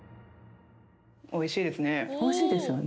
おいしいですよね。